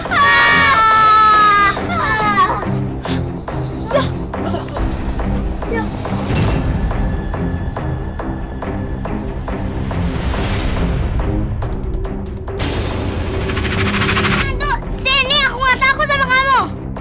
hantu sini aku ngata aku sama kamu